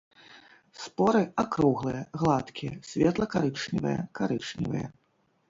Споры акруглыя, гладкія, светла-карычневыя, карычневыя.